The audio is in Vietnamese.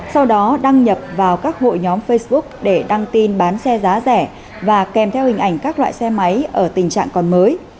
sau đó đăng nhập vào các hội nhóm facebook để đăng tin bán xe giá rẻ và kèm theo hình ảnh các loại xe máy ở tình trạng còn mới